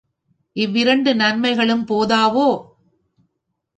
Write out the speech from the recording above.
இவ்விரண்டு நன்மைகளும் போதாவோ?